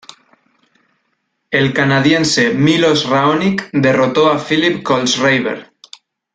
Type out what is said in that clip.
El canadiense Milos Raonic derrotó a Philipp Kohlschreiber.